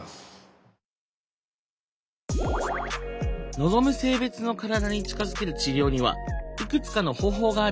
望む性別の体に近づける治療にはいくつかの方法があるよ。